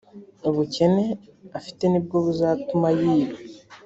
ubukene afite nibwo buzatuma yiba